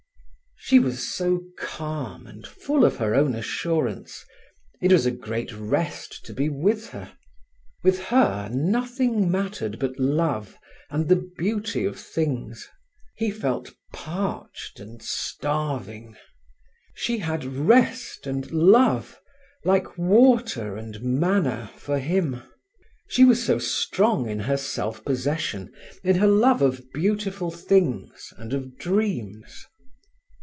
She was so calm and full of her own assurance. It was a great rest to be with her. With her, nothing mattered but love and the beauty of things. He felt parched and starving. She had rest and love, like water and manna for him. She was so strong in her self possession, in her love of beautiful things and of dreams.